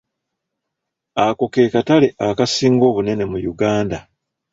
Ako ke katale akasinga obunene mu Uganda.